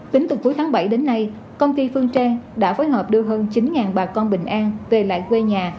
tính từ cuối tháng bảy đến nay công ty phương trang đã phối hợp đưa hơn chín bà con bình an về lại quê nhà